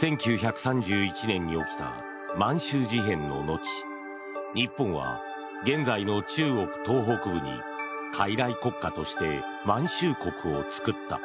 １９３１年に起きた満州事変の後日本は現在の中国東北部に傀儡国家として満州国を作った。